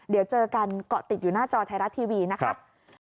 เดี๋ยวเจอกันเกาะติดอยู่หน้าจอไทยรัฐทีวีนะครับ